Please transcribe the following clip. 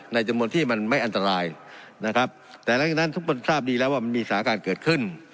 ในจำนวนที่มันไม่อันตรายนะครับแต่หลังจากนั้นทุกคนทราบดีแล้วว่ามันมีสถานการณ์เกิดขึ้น